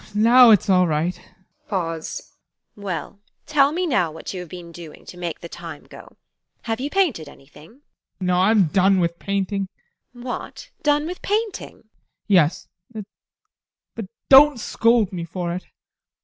ADOLPH. Now it's all right. TEKLA. Well, tell me now what you have been doing to make the time go? Have you painted anything? ADOLPH. No, I am done with painting. TEKLA. What? Done with painting? ADOLPH. Yes, but don't scold me for it.